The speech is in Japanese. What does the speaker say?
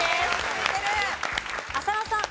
浅野さん。